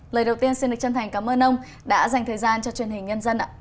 lời đầu tiên xin được chân thành cảm ơn ông đã dành thời gian cho truyền hình nhân dân ạ